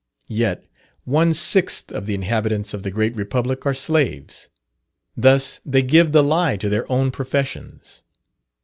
Yet one sixth of the inhabitants of the great Republic are slaves. Thus they give the lie to their own professions.